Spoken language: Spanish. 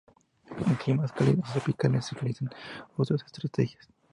En climas cálidos a tropicales se utilizan otras estrategias.